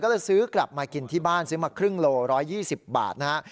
ก็เลยซื้อกลับมากินที่บ้านซื้อมาครึ่งโล๑๒๐บาทนะฮะ